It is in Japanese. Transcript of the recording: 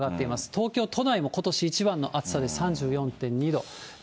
東京都内もことし一番の暑さで３４．２度。